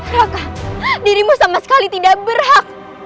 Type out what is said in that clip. haka dirimu sama sekali tidak berhak